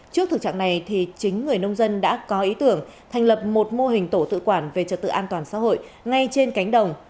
trước thực trạng này chính người nông dân đã có ý tưởng thành lập một mô hình tổ tự quản về trật tự an toàn xã hội ngay trên cánh đồng